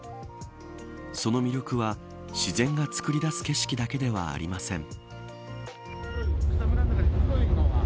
その魅力は自然がつくり出す景色だけではありません。